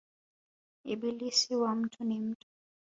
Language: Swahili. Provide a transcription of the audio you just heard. Ibilisi wa mtu ni mtu